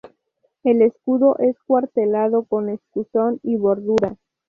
El escudo es cuartelado con escusón y bordura.